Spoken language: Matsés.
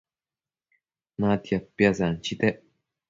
Natia piasanchitec